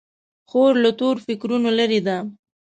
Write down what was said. خور له تور فکرونو لیرې ده.